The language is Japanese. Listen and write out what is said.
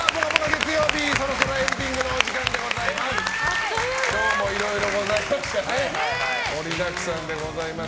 月曜日そろそろエンディングのお時間でございます。